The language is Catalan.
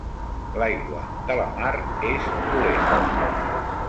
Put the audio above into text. L'aigua de la mar és dolent.